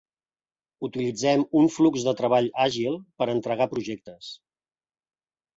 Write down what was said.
Utilitzem un flux de treball àgil per entregar projectes.